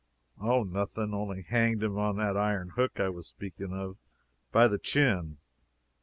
"Oh nothing only hanged him on that iron hook I was speaking of. By the chin."